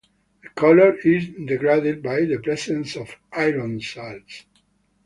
This color is degraded by the presence of iron salts.